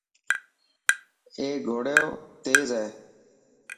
اي گهوڙو تيز هي.